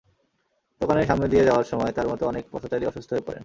দোকানের সামনে দিয়ে যাওয়ার সময় তাঁর মতো অনেক পথচারী অসুস্থ হয়ে পড়েন।